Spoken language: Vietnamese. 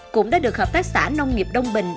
cũng đã được hợp tác xã nông nghiệp đông bình